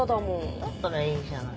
だったらいいじゃない。